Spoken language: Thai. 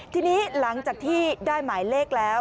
ทีนี้หลังจากที่ได้หมายเลขแล้ว